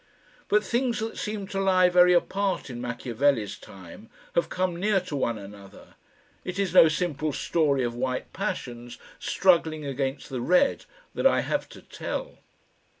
But things that seemed to lie very far apart in Machiavelli's time have come near to one another; it is no simple story of white passions struggling against the red that I have to tell.